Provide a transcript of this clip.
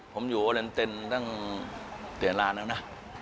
ผมอยู่ออเล็นเตนตั้งเดือนร้านแล้วนะ